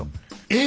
え！